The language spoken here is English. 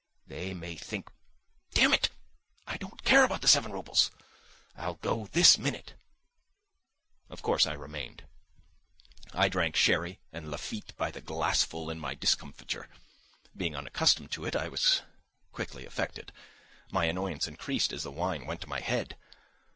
They may think.... Damn it! I don't care about the seven roubles. I'll go this minute!" Of course I remained. I drank sherry and Lafitte by the glassful in my discomfiture. Being unaccustomed to it, I was quickly affected. My annoyance increased as the wine went to my head.